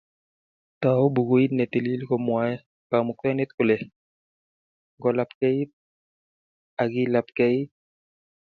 Tou bukuit ne tilil komwoe Kamuktaindet kole ngolapkeit, ak kilapkeit.